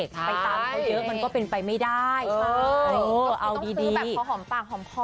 ซึ่งแบบพอหอมตังหอมพอ